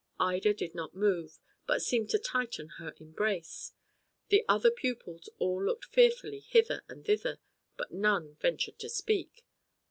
Ida did not move, but seemed to tighten her embrace. The other pupils all looked fearfully hither and thither, but none ventured to speak.